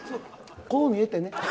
こう見えてね。